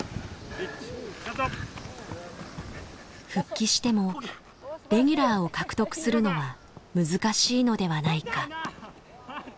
「復帰してもレギュラーを獲得するのは難しいのではないか」。